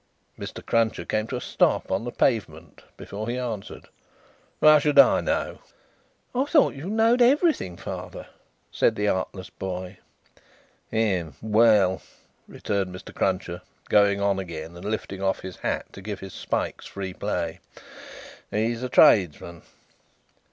Mr. Cruncher came to a stop on the pavement before he answered, "How should I know?" "I thought you knowed everything, father," said the artless boy. "Hem! Well," returned Mr. Cruncher, going on again, and lifting off his hat to give his spikes free play, "he's a tradesman."